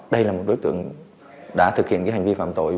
đây là một đối tượng đã thực hiện hành vi phạm tội